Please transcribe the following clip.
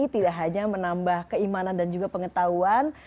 tidak hanya menambah keimanan dan juga pengetahuan